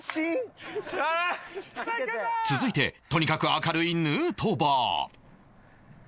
続いてとにかく明るいヌートバー